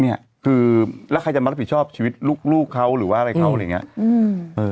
ในอีกคือจำนวนผิดชอบชีวิตลูกเขาหรือว่าอะไรเขาหรือยังไง